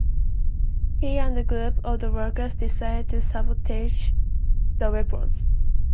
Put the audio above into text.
He and a group of the workers decide to sabotage the weapons.